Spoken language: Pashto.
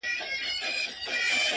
دا دی په وينو لژند يار سره خبرې کوي _